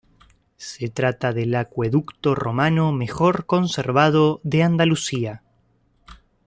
Se trata del acueducto romano mejor conservado de Andalucía.